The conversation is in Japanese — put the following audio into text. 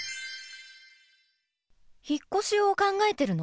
引っ越しを考えてるの？